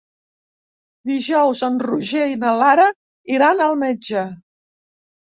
Dijous en Roger i na Lara iran al metge.